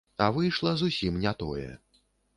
А выйшла зусім не тое.